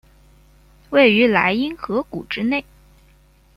位于莱茵河谷之内。